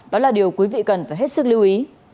đó là điều quý vị cần phải hết sức lưu ý